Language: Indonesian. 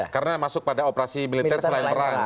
karena masuk pada operasi militer selain perang